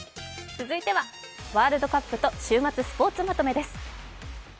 続いてはワールドカップと週末スポーツまとめです。